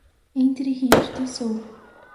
Entre Rios do Sul